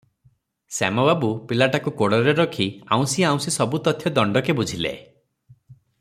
ଶ୍ୟାମବାବୁ ପିଲାଟାକୁ କୋଡ଼ରେ ରଖି ଆଉଁଶି ଆଉଁଶି ସବୁ ତଥ୍ୟ ଦଣ୍ଡକେ ବୁଝିଲେ ।